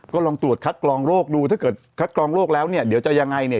ก็ลองตรวจคัดกรองโรคดูถ้าเกิดคัดกรองโรคแล้วเนี่ยเดี๋ยวจะยังไงเนี่ย